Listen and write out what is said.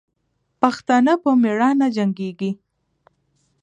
پښتانه په میړانې جنګېږي.